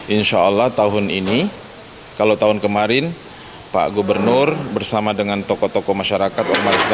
insyaallah tahun ini kalau tahun kemarin pak gubernur bersama dengan toko toko masyarakat